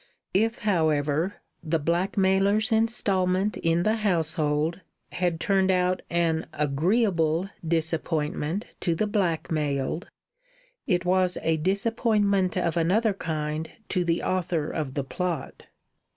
If, however, the blackmailer's instalment in the household had turned out an agreeable disappointment to the blackmailed, it was a disappointment of another kind to the author of the plot.